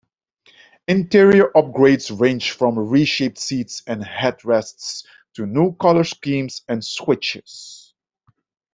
Interior upgrades ranged from reshaped seats and headrests, to new colour schemes, and switches.